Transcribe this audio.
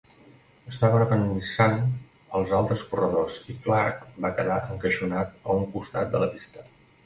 Estaven avançant als altres corredors, i Clarke va quedar encaixonat a un costat de la pista.